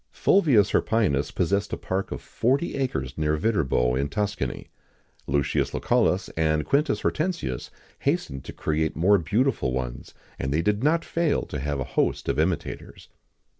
Fulvius Hirpinus possessed a park of forty acres near Viterbo, in Tuscany. Lucius Lucullus, and Quintus Hortensius hastened to create more beautiful ones, and they did not fail to have a host of imitators.